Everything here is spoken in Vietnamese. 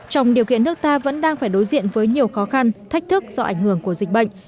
trong điều kiện nước ta vẫn đang phải đối diện với nhiều khó khăn thách thức do ảnh hưởng của dịch bệnh